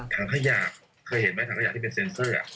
ถังขยะเคยเห็นไหมถังขยะที่เป็นเซ็นเซอร์